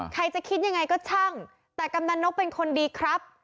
ใครจะคิดยังไงก็ช่างแต่กำนันนกเป็นคนดีครับ